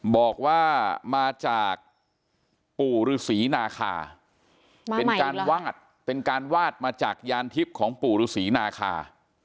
บอกว่ามาจากปู่ฤษีนาคาเป็นการวาดเป็นการวาดมาจากยานทิพย์ของปู่ฤษีนาคา